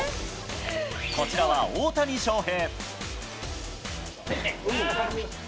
こちらは大谷翔平。